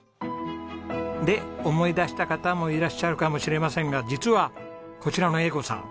で思い出した方もいらっしゃるかもしれませんが実はこちらの英子さん